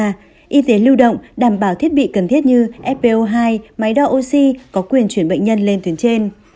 y tế lưu động đảm bảo thiết bị cần thiết như fpo hai máy đo oxy có quyền chuyển bệnh nhân lên tuyến trên